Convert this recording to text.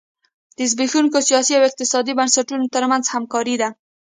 د زبېښونکو سیاسي او اقتصادي بنسټونو ترمنځ همکاري ده.